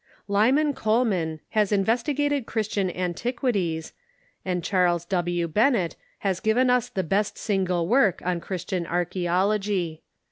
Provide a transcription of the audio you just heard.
Lyman Coleman has investigated Christian Antiquities, and Charles W. Bennett has given us the best single work on Christian Archa?ology.